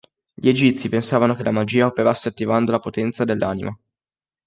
Gli Egizi pensavano che la magia operasse attivando la potenza dell'anima.